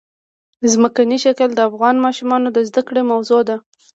ځمکنی شکل د افغان ماشومانو د زده کړې موضوع ده.